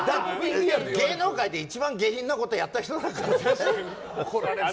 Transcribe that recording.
芸能界で一番下品なことやった人だからね。